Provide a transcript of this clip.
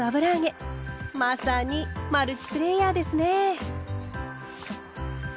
まさにマルチプレーヤーですね。